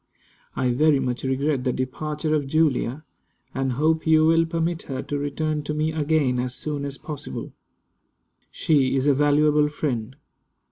I very much regret the departure of Julia, and hope you will permit her to return to me again as soon as possible. She is a valuable friend.